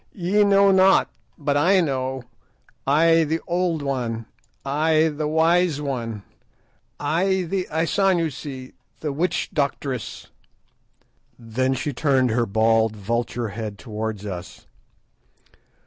Ye know not, but I know. I the Old One, I the Wise One, I the Isanusi, the witch doctress!" Then she turned her bald vulture head towards us.